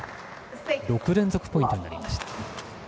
６連続ポイントになりました。